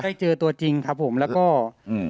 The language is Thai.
ได้เจอตัวจริงครับผมแล้วก็อืม